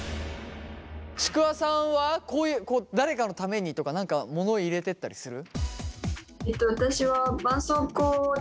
ちくわさんは誰かのためにとか何か物を入れてたりする？